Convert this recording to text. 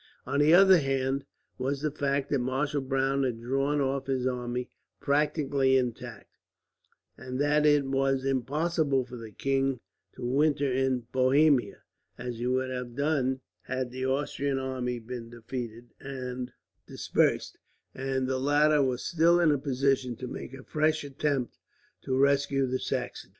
On the other hand was the fact that Marshal Browne had drawn off his army practically intact, and that it was impossible for the king to winter in Bohemia, as he would have done had the Austrian army been defeated and dispersed; and the latter were still in a position to make a fresh attempt to rescue the Saxons.